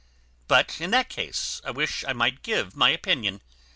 But, in that case, I wish I might give my opinion.